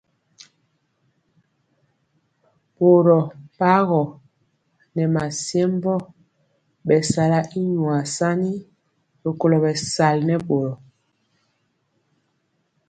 Boro pmaroo nɛ masiembö mesala y nyuar sani rikolo bɛsali nɛ boro.